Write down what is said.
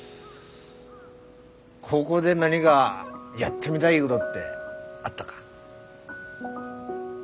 高校で何がやってみたいごどってあったが？